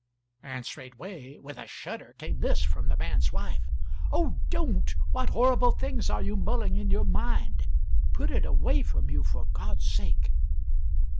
And straightway with a shudder came this, from the man's wife: "Oh, don't! What horrible thing are you mulling in your mind? Put it away from you, for God's sake!"